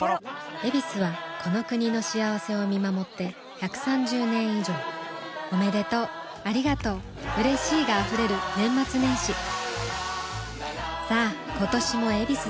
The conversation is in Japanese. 「ヱビス」はこの国の幸せを見守って１３０年以上おめでとうありがとううれしいが溢れる年末年始さあ今年も「ヱビス」で